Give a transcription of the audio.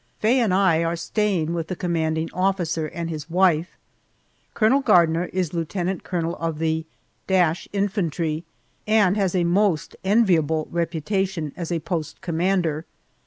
Faye and I are staying with the commanding officer and his wife. Colonel Gardner is lieutenant colonel of the th Infantry, and has a most enviable reputation as a post commander.